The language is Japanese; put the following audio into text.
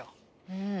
うん。